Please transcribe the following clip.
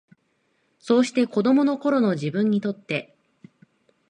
そうして、子供の頃の自分にとって、